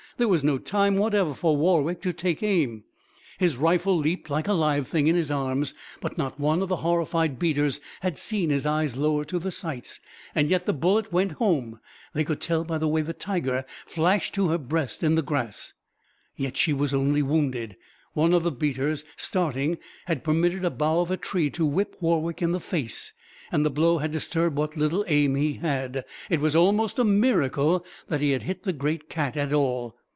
There was no time whatever for Warwick to take aim. His rifle leaped, like a live thing, in his arms, but not one of the horrified beaters had seen his eyes lower to the sights. Yet the bullet went home they could tell by the way the tiger flashed to her breast in the grass. Yet she was only wounded. One of the beaters, starting, had permitted a bough of a tree to whip Warwick in the face, and the blow had disturbed what little aim he had. It was almost a miracle that he had hit the great cat at all.